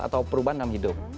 atau perubahan dalam hidup